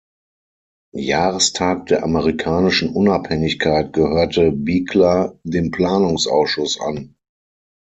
Jahrestag der amerikanischen Unabhängigkeit gehörte Bigler dem Planungsausschuss an.